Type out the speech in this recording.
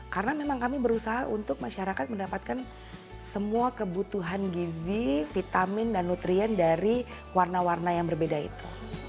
karena memang kami berusaha untuk masyarakat mendapatkan semua kebutuhan gizi vitamin dan nutrien dari warna warna yang berbeda itu